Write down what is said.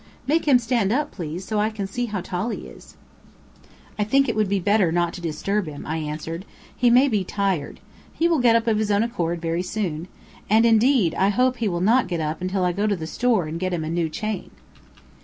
Make him stand up, please, so I can see how tall he is." "I think it would be better not to disturb him," I answered, "he may be tired. He will get up of his own accord very soon. And indeed I hope that he will not get up until I go to the store and get him a new chain."